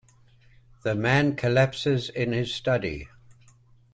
The man collapses in his study.